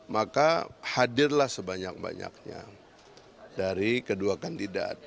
maka hadirlah sebanyak banyaknya dari kedua kandidat